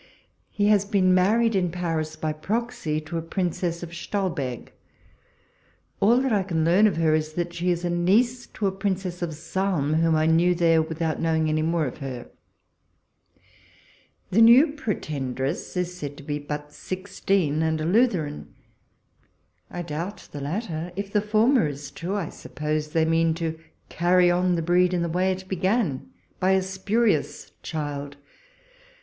He has been married in Paris by proxy, to a Princess of Stolberg. All that I can learn of her is, that she is a niece to a Princess of Salm, whom I knew there, without knowing any more of her. The new Pretend ress is said to be but sixteen, and a Lutheran: I doubt the latter ; if the former is true, I suppose they mean to carry on the breed in the way it began, by a spurious child.